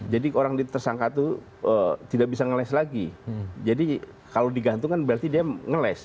jadi orang ditersangka itu tidak bisa ngeles lagi jadi kalau digantung kan berarti dia ngeles